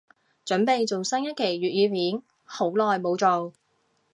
凖備做新一期粤語片，好耐無做